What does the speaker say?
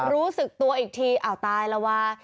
รู้สึกตัวอีกทีอ้าวตายแล้ววะ